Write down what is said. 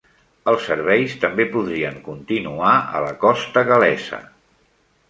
Els serveis també podrien continuar a la costa gal·lesa.